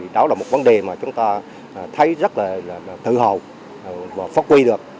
đó là một vấn đề mà chúng ta thấy rất là tự hào và phát huy được